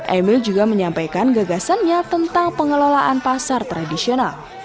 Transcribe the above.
emil juga menyampaikan gagasannya tentang pengelolaan pasar tradisional